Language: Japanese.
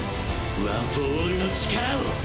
ワン・フォー・オールの力を！